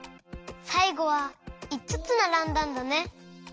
さいごはいつつならんだんだね。